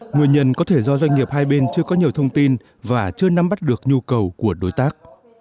nguyên nhân có thể do doanh nghiệp hai bên chưa có nhiều thông tin và chưa nắm bắt được nhu cầu của đối tác